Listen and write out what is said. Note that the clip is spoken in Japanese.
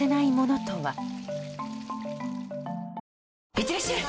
いってらっしゃい！